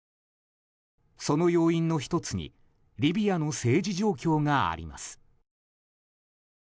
その要因の１つにリビアの政治状況があります。